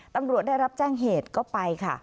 ตำรวจได้รับแจ้งเหตุแล้วก็เป็นไปค่ะ